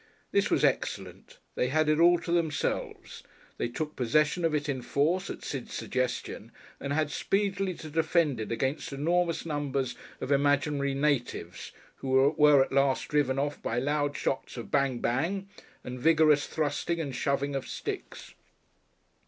This was excellent. They had it all to themselves. They took possession of it in force, at Sid's suggestion, and had speedily to defend it against enormous numbers of imaginary "natives," who were at last driven off by loud shouts of bang, bang, and vigorous thrusting and shoving of sticks.